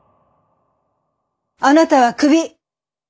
あなたはクビ。